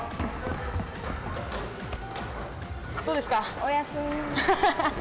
どうですか？